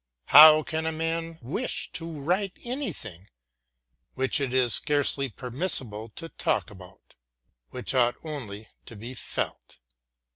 "How can a man wish to write anything which it is scarcely permissible to talk about, which ought only to be felt?"